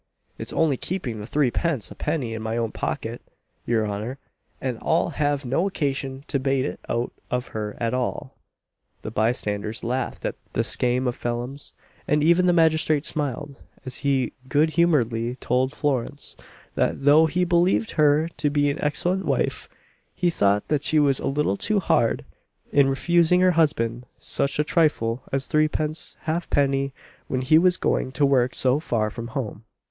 It's ounly keeping the threepence ha'penny in my oun pocket, your honour, and I'll have no occasion to bate it out of her at all." The bystanders laughed at this skame of Phelim's, and even the magistrate smiled, as he good humouredly told Florence, that, though he believed her to be an excellent wife, he thought that she was a little too hard in refusing her husband such a trifle as threepence half penny when he was going to work so far from home.